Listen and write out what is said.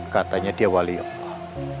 katanya dia wali allah